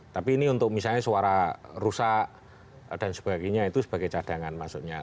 tapi ini untuk misalnya suara rusak dan sebagainya itu sebagai cadangan maksudnya